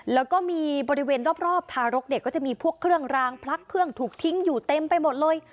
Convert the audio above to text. แล้วก็มีบริเวณรอบทารกเด็กก็จะมีพวกเครื่องรางพลักเครื่องถูกทิ้งอยู่เต็มไปหมดเลย